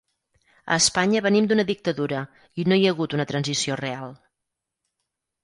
A Espanya venim d’una dictadura i no hi ha hagut una transició real.